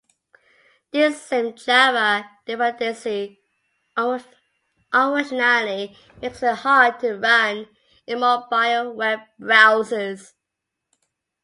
This same Java dependency, unfortunately, makes it hard to run in mobile Web browsers.